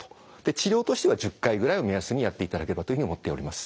治療としては１０回ぐらいを目安にやっていただければというふうに思っております。